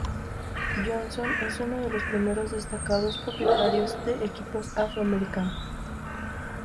Johnson es uno de los primeros destacados propietarios de equipos afro-americano.